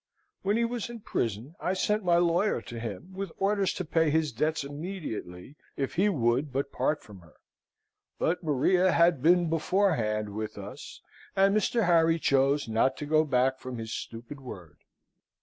When he was in prison, I sent my lawyer to him, with orders to pay his debts immediately, if he would but part from her, but Maria had been beforehand with us, and Mr. Harry chose not to go back from his stupid word.